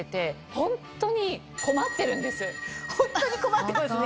ホントに困ってますね。